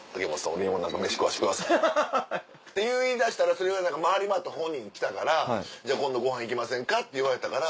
俺にも飯食わしてください」。って言い出したらそれが回り回って本人に来たからじゃあ今度ご飯行きませんか？って言われたから。